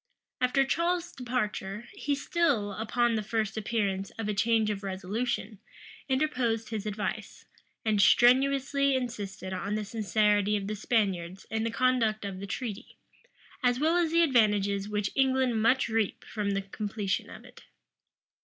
After Charles's departure, he still, upon the first appearance of a change of resolution, interposed his advice, and strenuously insisted on the sincerity of the Spaniards in the conduct of the treaty, as well as the advantages which England must reap from the completion of it.